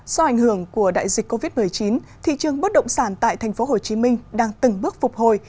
do ảnh hưởng của đại dịch covid một mươi chín thị trường bất động sản tại tp hcm đang từng bước phục hồi